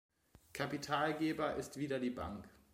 Kapitalgeber ist wieder die Bank.